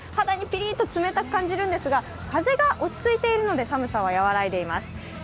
肌にぴりっと冷たく感じるんですが、風が落ち着いているので寒さは和らいでいます。